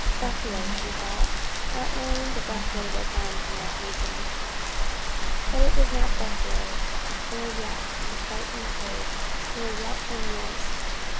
Buffalo, she thought, not knowing the buffalo were gone from that region. But it was not the buffalo, nor yet the frightened herd, nor yet her mules.